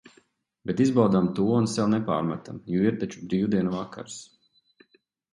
Bet izbaudām to un sev nepārmetam, jo ir taču brīvdienu vakars.